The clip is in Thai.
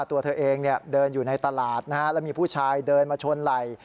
ตัวเธอเองเดินอยู่ในตลาดนะฮะแล้วมีผู้ชายเดินมาชนไหล่